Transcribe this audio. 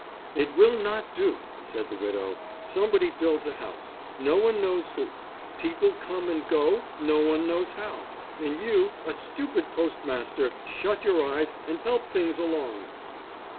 "It will not do!" said the widow. "Somebody builds a house, no one knows who; people come and go, no one knows how; and you, a stupid postmaster, shut your eyes and help things along."